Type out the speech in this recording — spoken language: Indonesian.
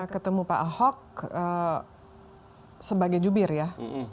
ketemu pak ahok sebagai jubir ya